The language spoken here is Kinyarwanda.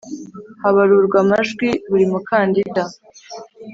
Habarurwa amajwi buri mukandida